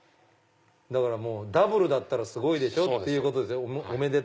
ダブルだったらすごいでしょ！っていうことですよね。